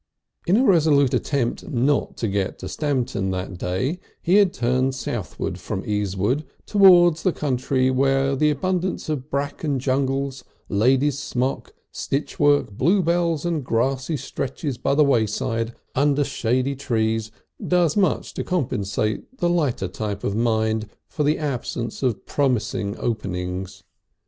In a resolute attempt not to get to Stamton that day, he had turned due southward from Easewood towards a country where the abundance of bracken jungles, lady's smock, stitchwork, bluebells and grassy stretches by the wayside under shady trees does much to compensate the lighter type of mind for the absence of promising "openings."